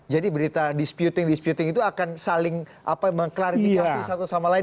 jadi berita disputing disputing itu akan saling mengklarifikasi satu sama lain